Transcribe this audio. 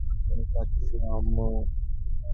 তুমি কাঁদছ, আম্মু?